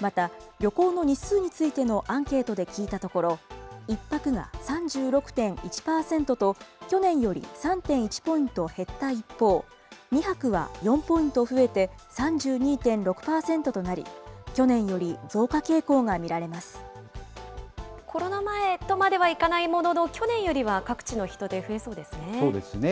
また旅行の日数についてのアンケートで聞いたところ、１泊が３６．１％と、去年より３．１％減った一方、２泊は４ポイント増えて３２．６％となり、去年より増加傾向が見コロナ前とまではいかないものの、去年よりは各地の人出、増えそうですね。